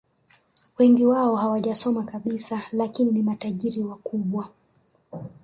Wengi wao hawajasoma kabisa lakini ni matajiri wakubwa